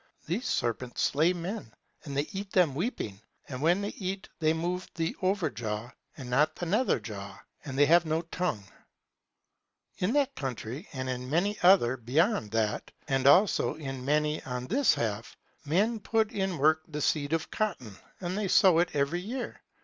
These serpents slay men, and they eat them weeping; and when they eat they move the over jaw, and not the nether jaw, and they have no tongue. In that country and in many other beyond that, and also in many on this half, men put in work the seed of cotton, and they sow it every year.